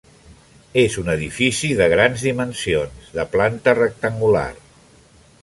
És un edifici de grans dimensions, de planta rectangular.